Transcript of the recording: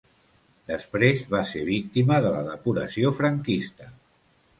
Després va ser víctima de la depuració franquista.